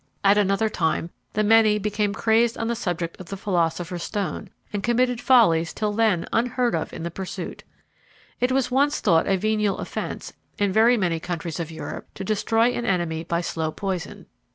At another time, the many became crazed on the subject of the philosopher's stone, and committed follies till then unheard of in the pursuit. It was once thought a venial offence, in very many countries of Europe, to destroy an enemy by slow poison.